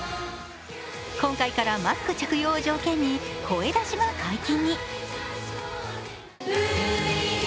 今回からマスク着用を条件に声出しも解禁に。